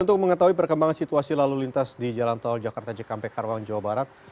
untuk mengetahui perkembangan situasi lalu lintas di jalan tol jakarta cikampek karawang jawa barat